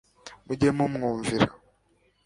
mujye mumwumvira